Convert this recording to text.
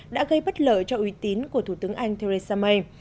đã gây bất lợi cho uy tín của thủ tướng anh theresa may